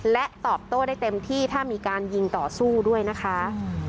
และตอบโต้ได้เต็มที่ถ้ามีการยิงต่อสู้ด้วยนะคะ